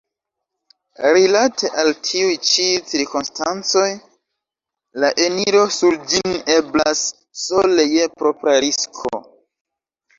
Rilate al tiuj ĉi cirkonstancoj la eniro sur ĝin eblas sole je propra risko.